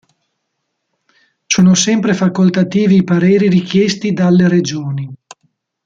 Sono sempre facoltativi i pareri richiesti dalle Regioni.